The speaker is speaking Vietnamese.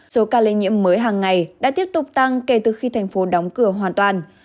số ca lây nhiễm mới hàng ngày đã tiếp tục tăng kể từ khi thành phố đóng cửa hoàn toàn